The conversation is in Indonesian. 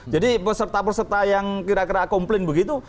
peserta peserta yang kira kira komplain begitu